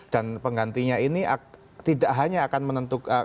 dan penggantinya ini tidak hanya akan menentukan